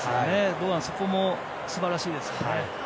堂安はそこも素晴らしいですね。